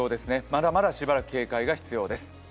まだまだしばらく警戒が必要です。